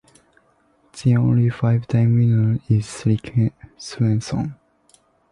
The only five-time winner is Rick Swenson.